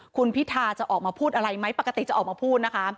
คุณพิธาจะออกมาพูดอะไรไหมปกติจะออกมาพูดนะคะ